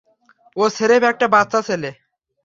ও স্রেফ একটা বাচ্চা ছেলে।